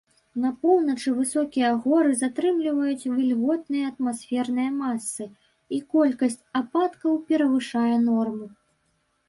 На поўначы высокія горы затрымліваюць вільготныя атмасферныя масы, і колькасць ападкаў перавышае норму.